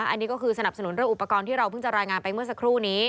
อันนี้ก็คือสนับสนุนเรื่องอุปกรณ์ที่เราเพิ่งจะรายงานไปเมื่อสักครู่นี้